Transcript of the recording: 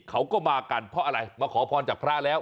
เขาก็มากันเพราะอะไรมาขอพรจากพระแล้ว